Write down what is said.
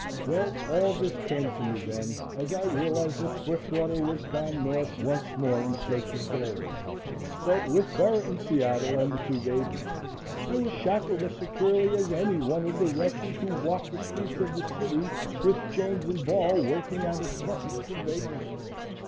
Well, all this came to me then as I realized that Swiftwater was gone North once more in search of gold, but, with Bera in Seattle and the two babies, I was shackled as securely as any one of the wretches who walk the streets of this city with chains and ball working out a sentence for vagrancy.